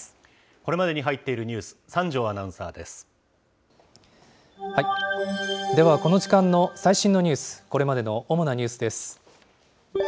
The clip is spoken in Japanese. これまでに入っているニュース、では、この時間の最新のニュース、これまでの主なニュースです。